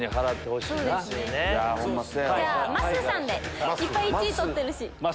じゃあまっすーさんでいっぱい１位取ってるし。